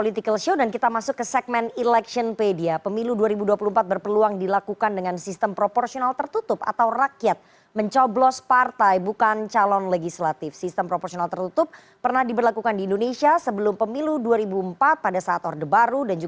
tim liputan cnn indonesia